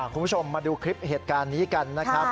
คุณผู้ชมมาดูคลิปเหตุการณ์นี้กันนะครับ